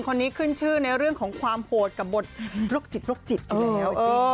คนนี้ขึ้นชื่อในเรื่องของความโหดกับบทโรคจิตโรคจิตอยู่แล้ว